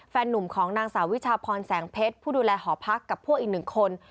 หนุ่มของนางสาววิชาพรแสงเพชรผู้ดูแลหอพักกับพวกอีกหนึ่งคน